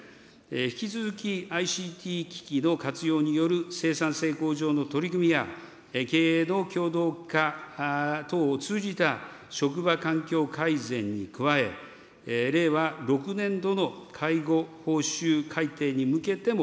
引き続き、ＩＣＴ機器の活用による生産性向上の取り組みや、経営の共同化等を通じた職場環境改善に加え、令和６年度の介護報酬改定に向けても、